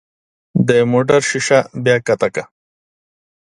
د موټر ښيښه بیا ښکته کړه.